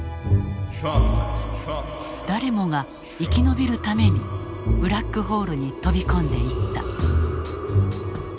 誰もが生き延びるためにブラックホールに飛び込んでいった。